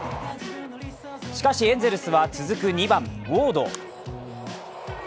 しかし、エンゼルスは２番・ウォード。